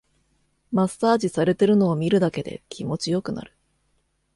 マッサージされてるのを見るだけで気持ちよくなる